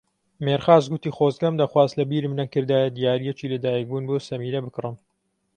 مێرخاس گوتی خۆزگەم دەخواست لەبیرم نەکردایە دیارییەکی لەدایکبوون بۆ سەمیرە بکڕم.